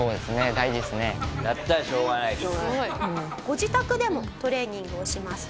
ご自宅でもトレーニングをします。